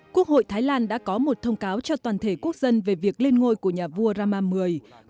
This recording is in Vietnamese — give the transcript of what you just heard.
quốc hội thái lan đã có một thông cáo cho toàn thể quốc dân về việc lên ngôi của nhà vua rama mười